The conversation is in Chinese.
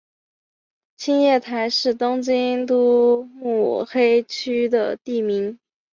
青叶台是东京都目黑区的地名。